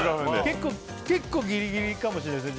結構ギリギリかもしれないですね